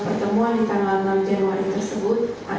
sedang anda charming pada hari pendek lain